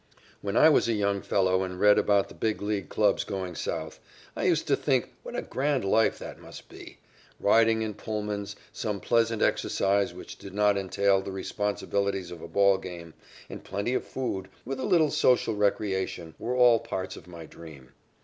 When I was a young fellow and read about the Big League clubs going South, I used to think what a grand life that must be. Riding in Pullmans, some pleasant exercise which did not entail the responsibility of a ball game, and plenty of food, with a little social recreation, were all parts of my dream.